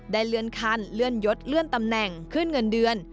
เลื่อนขั้นเลื่อนยศเลื่อนตำแหน่งขึ้นเงินเดือน